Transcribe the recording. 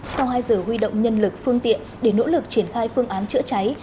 sau hai giờ huy động nhân lực phương tiện để nỗ lực triển khai phương án chữa cháy